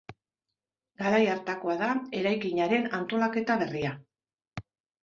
Garai hartakoa da eraikinaren antolaketa berria.